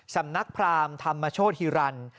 สำนักพรามธรรมโชธฮิรันดิ